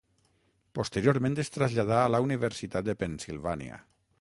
Posteriorment es traslladà a la Universitat de Pennsilvània.